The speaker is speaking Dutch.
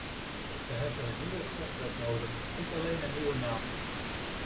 We hebben een nieuwe grondwet nodig, niet alleen een nieuwe naam.